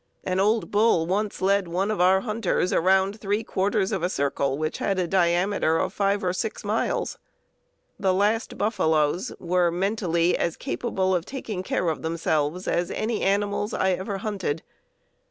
An old bull once led one of our hunters around three quarters of a circle which had a diameter of 5 or 6 miles. The last buffaloes were mentally as capable of taking care of themselves as any animals I ever hunted.